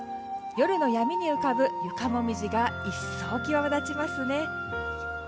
夜の闇に浮かぶ床もみじが一層際立ちますね。